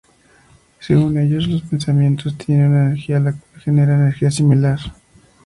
Según ellos, los pensamientos tienen una energía la cual genera energía similar.